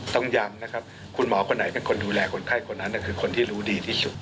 ต้องย้ำนะครับคุณหมอคนไหนเป็นคนดูแลคนไข้คนนั้นคือคนที่รู้ดีที่สุด